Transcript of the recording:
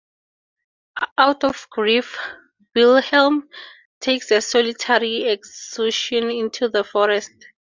Out of grief, Wilhelm takes a solitary excursion into the forest.